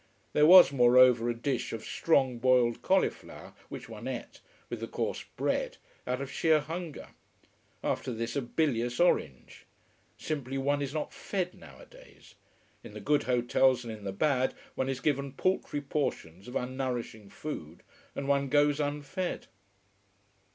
There was moreover a dish of strong boiled cauliflower, which one ate, with the coarse bread, out of sheer hunger. After this a bilious orange. Simply one is not fed nowadays. In the good hotels and in the bad, one is given paltry portions of unnourishing food, and one goes unfed.